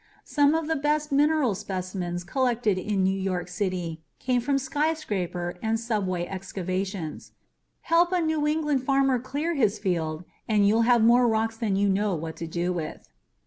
Some of the best mineral specimens collected in New York City came from skyscraper and subway excavations. Help a New England farmer clear his field and you'll have more rocks than you know what to do with.